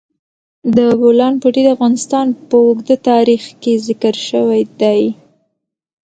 د بولان پټي د افغانستان په اوږده تاریخ کې ذکر شوی دی.